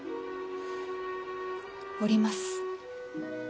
おります。